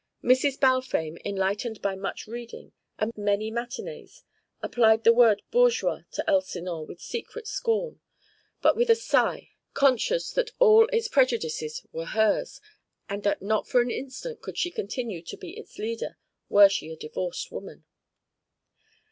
Mrs. Balfame, enlightened by much reading and many matinées, applied the word bourgeois to Elsinore with secret scorn, but with a sigh: conscious that all its prejudices were hers and that not for an instant could she continue to be its leader were she a divorced woman.